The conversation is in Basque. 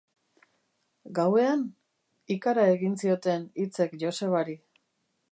Gauean? Ikara egin zioten hitzek Josebari.